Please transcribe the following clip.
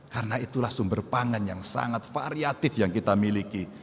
karena itulah sumber pangan yang sangat variatif yang kita miliki